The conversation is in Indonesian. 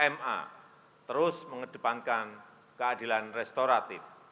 ma terus mengedepankan keadilan restoratif